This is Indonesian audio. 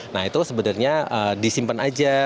nah itu sebenarnya disimpan aja